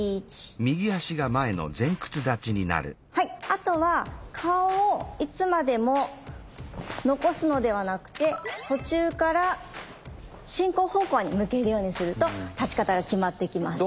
あとは顔をいつまでも残すのではなくて途中から進行方向に向けるようにすると立ち方が極まっていきます。